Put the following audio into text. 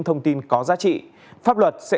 thông tin có giá trị pháp luật sẽ